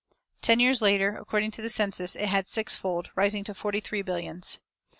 Ten years later, according to the census, it had sixfolded, rising to forty three billions.